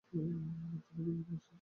ছুটিয়া বাগানে আসিয়াছে।